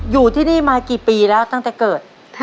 อยู่ที่นี่มากี่ปีแล้วตั้งแต่เกิด